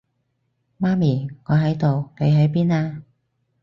媽咪，我喺度，你喺邊啊？